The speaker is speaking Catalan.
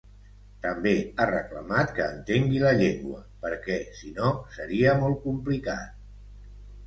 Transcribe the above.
També ha reclamat ‘que entengui la llengua, perquè, si no, seria molt complicat’.